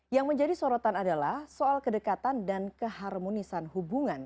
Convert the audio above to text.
yang menjadi sorotan adalah soal kedekatan dan keharmonisan hubungan